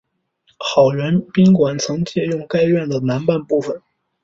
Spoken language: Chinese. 好园宾馆曾借用该院的南半部分。